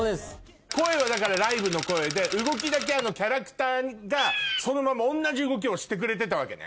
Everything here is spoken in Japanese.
声はライブの声で動きだけキャラクターがそのまま同じ動きをしてくれてたわけね？